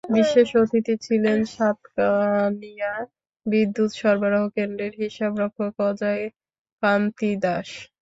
বিশেষ অতিথি ছিলেন সাতকানিয়া বিদ্যুৎ সরবরাহ কেন্দ্রের হিসাবরক্ষক অজয় কান্তি দাশ।